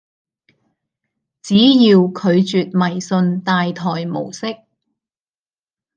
只要拒絕迷信大台模式